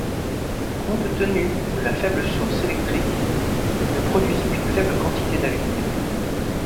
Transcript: Compte tenu de la faible source électrique, il ne produisit qu'une faible quantité d'aluminium.